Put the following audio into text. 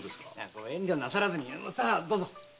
ご遠慮なさらずにさぁどうぞ。